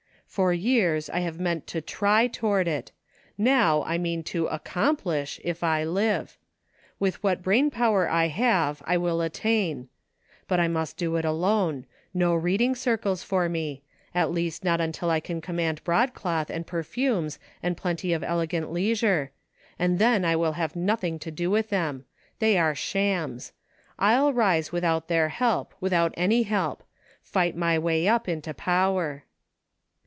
" For years I have meant to try toward it ; now I mean to accomplish, if I live. ' With what brain power I have I will attain,' but I must do it alone ; no reading circles for me, at least not until I can command broadcloth, and perfumes, and plenty of elegant leisure ; and then I will have nothing to do with them ; they are shams. I'll rise without "very much improved." 227 their help, without any help ;" fight my way up into power."